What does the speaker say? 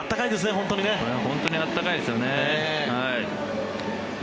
本当に温かいですよね。